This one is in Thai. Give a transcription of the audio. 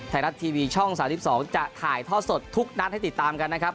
ไทยรัฐทีวีช่อง๓๒จะถ่ายท่อสดทุกนัดให้ติดตามกันนะครับ